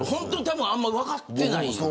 あんま分かってない。